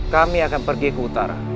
kami akan pergi ke utara